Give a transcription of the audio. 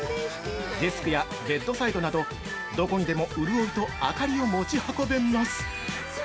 デスクやベッドサイドなどどこにでも潤いと明かりを持ち運べます！